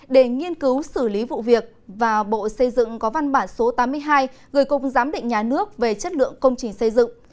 để nghiên cứu xử lý vụ việc và bộ xây dựng có văn bản số tám mươi hai gửi công giám định nhà nước về chất lượng công trình xây dựng